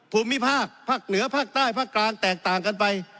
ภูมิภาคภาคเหนือภาคใต้ภาคกลางแตกต่างกันไป